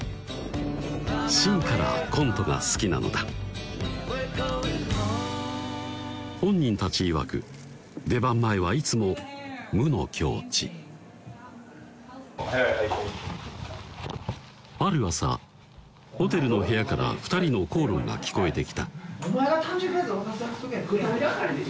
心からコントが好きなのだ本人たちいわく出番前はいつも無の境地ある朝ホテルの部屋から２人の口論が聞こえてきた・